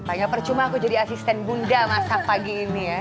gak percuma aku jadi asisten bunda masa pagi ini ya